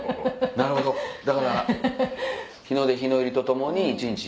なるほどだから日の出日の入りとともに一日。